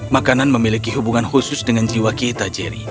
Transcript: makanan memiliki hubungan khusus dengan jiwa kita jerry